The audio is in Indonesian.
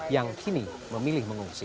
yang kini memilih mengungsi